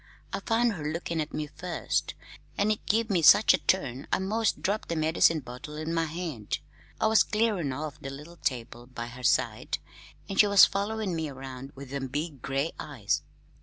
I found her lookin' at me first, an' it give me such a turn I 'most dropped the medicine bottle in my hand. I was clearin' off the little table by her bed, an' she was followin' me around with them big gray eyes.